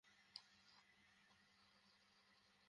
এখন আপনার উপর নির্ভর করছে যুবক।